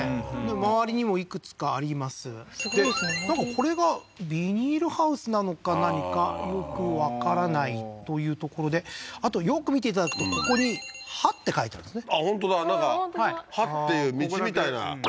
周りにもいくつかありますでなんかこれがビニールハウスなのか何かよくわからないというところであとよく見ていただくとここに「ハ」って書いてあるんですね